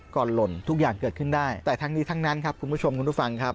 หล่นทุกอย่างเกิดขึ้นได้แต่ทั้งนี้ทั้งนั้นครับคุณผู้ชมคุณผู้ฟังครับ